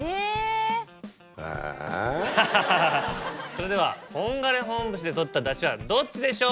それでは本枯本節で取っただしはどっちでしょうか？